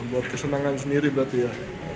buat kesenangan sendiri berarti ya